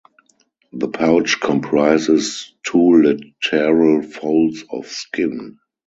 The pouch comprises two lateral folds of skin.